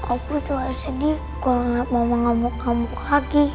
aku juga sedih kalau gak mau ngamuk ngamuk lagi